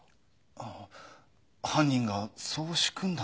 ああ犯人がそう仕組んだんだと。